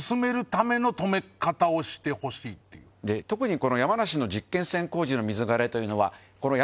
この山梨の実験線工事の水枯れというのは海了獲